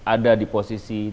ada di posisi